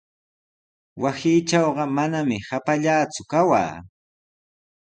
Wasiitrawqa manami hapallaaku kawaa.